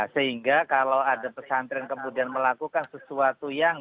sehingga kalau ada pesantren kemudian melakukan sesuatu yang